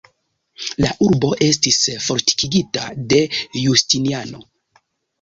La urbo estis fortikigita de Justiniano.